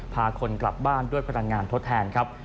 พาคนกลับบ้านด้วยพลังงานทดแทนครับ